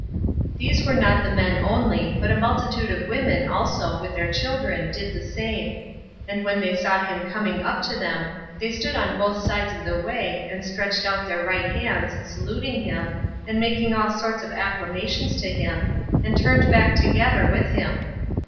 These were not the men only, but a multitude of women also with their children did the same; and when they saw him coming up to them, they stood on both sides of the way, and stretched out their right hands, saluting him, and making all sorts of acclamations to him, and turned back together with him.